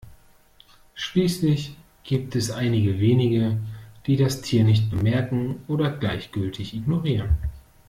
Schließlich gibt es einige wenige, die das Tier nicht bemerken oder gleichgültig ignorieren.